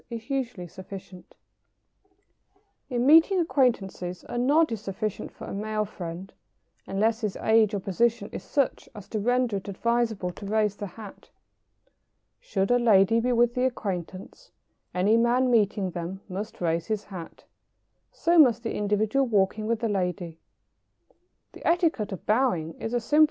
] In meeting acquaintances a nod is sufficient for a male friend, unless his age or position is such as to render it advisable to raise the hat. Should a lady be with the acquaintance, any man meeting them must raise his hat. So must the individual walking with the lady. The etiquette of bowing is a simple one.